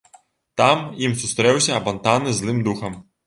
Там ім сустрэўся апантаны злым духам.